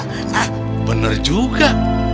hah bener juga